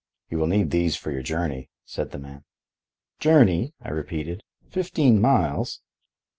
"You will need these for your journey," said the man. "Journey!" I repeated. "Fifteen miles!"